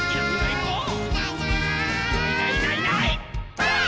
ばあっ！